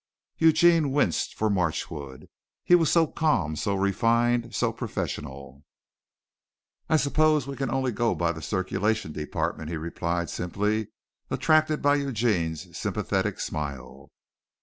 Eugene winced for Marchwood. He was so calm, so refined, so professional. "I suppose we can only go by the circulation department," he replied simply, attracted by Eugene's sympathetic smile.